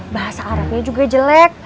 bahasa arabnya juga jelek